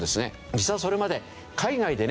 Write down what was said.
実はそれまで海外でね